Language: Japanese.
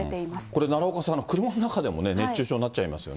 これ、奈良岡さん、車の中でもね、熱中症になっちゃいますよ